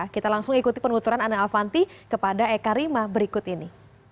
kita langsung ikuti penuturan ana avanti kepada eka rima berikut ini